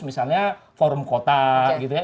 misalnya forum kota gitu ya